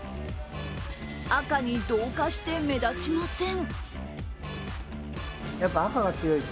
赤に同化して目立ちません。